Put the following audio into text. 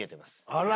あら！